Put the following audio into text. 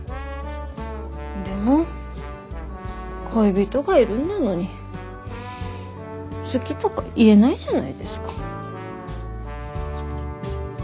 でも恋人がいるんだのに好きとか言えないじゃないですか。